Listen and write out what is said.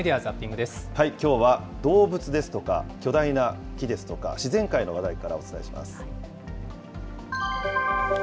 きょうは動物ですとか、巨大な木ですとか、自然界の話題からお伝えします。